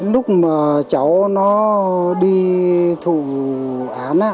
lúc mà cháu nó đi thụ án á